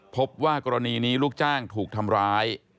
พบว่ากรณีนี้ลูกจ้างถูกทำร้าย